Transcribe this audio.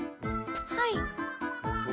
はい。